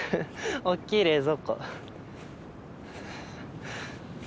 おっきい冷蔵庫。